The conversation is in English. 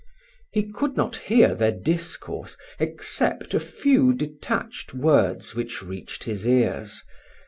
He could not hear their discourse, except a few detached words which reached his ears.